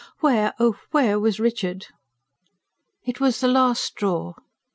Where, oh where was Richard? It was the last straw.